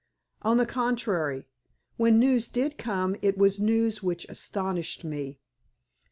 On the contrary, when news did come it was news which astonished me.